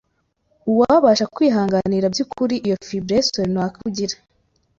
uwabasha kwihanganira by’ukuri iyo faiblesse runaka ugira.